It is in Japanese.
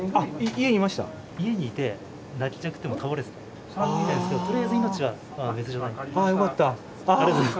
家にいて泣きじゃくってもう倒れてたみたいですけどとりあえず命は別状ないんで。